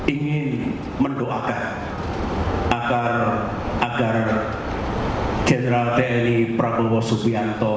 ingin mendoakan agar general tni prabowo subianto